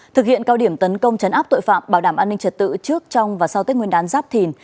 thực hiện cao điểm tấn công chấn áp tội phạm bảo đảm an ninh trật tự trước trong và sau tết nguyên đán giáp thìn